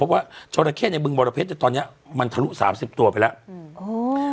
พบว่าจริงในบึงบรเผ็ดเนี้ยตอนเนี้ยมันทะลุสามสิบตัวไปแล้วอืม